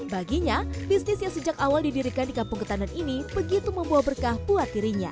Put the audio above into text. baginya bisnis yang sejak awal didirikan di kampung ketandan ini begitu membawa berkah buat dirinya